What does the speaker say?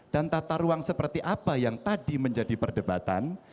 dan tata ruang seperti apa yang tadi menjadi perdebatan